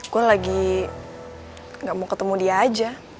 gue lagi gak mau ketemu dia aja